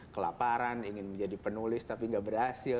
kelaparan ingin menjadi penulis tapi gak berhasil